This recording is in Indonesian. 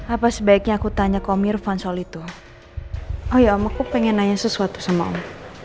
apa sebaiknya aku tanya komir van sol itu oh ya om aku pengen nanya sesuatu sama om